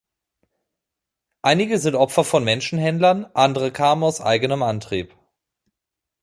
Einige sind Opfer von Menschenhändlern, andere kamen aus eigenem Antrieb.